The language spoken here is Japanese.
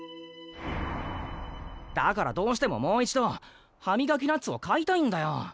だからどうしてももう一度「歯みがきナッツ」を買いたいんだよ！